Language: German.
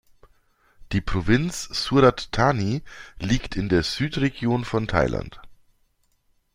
Die Provinz Surat Thani liegt in der Südregion von Thailand.